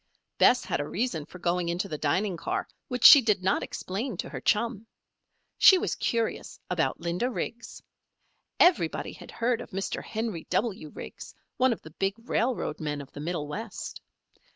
Bess had a reason for going into the dining car which she did not explain to her chum. She was curious about Linda Riggs. Everybody had heard of Mr. Henry W. Riggs, one of the big railroad men of the Middle West.